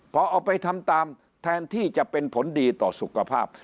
พอเอาไปทำตามแทนที่จะเป็นผลดีต่อสุขภาพ